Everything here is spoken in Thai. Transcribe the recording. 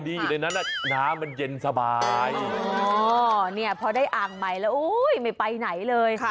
อ่อนี่น่ะเพราะได้อ่างใหม่แล้วโอ๊ยไม่ไปไหนเลย